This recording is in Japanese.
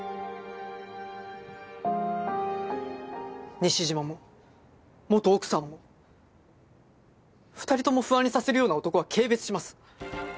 西島も元奥さんも２人とも不安にさせるような男は軽蔑します。